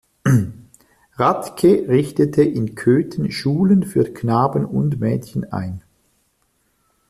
Ratke richtete in Köthen Schulen für Knaben und Mädchen ein.